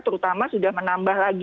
terutama sudah menambah lagi